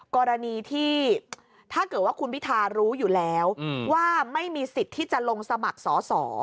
กรณีที่ถ้าเกิดว่าคุณพิธารู้อยู่แล้วว่าไม่มีสิทธิ์ที่จะลงสมัครสอสอ